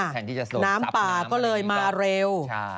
แทนที่จะโดนซับน้ำน้ำป่าก็เลยมาเร็ว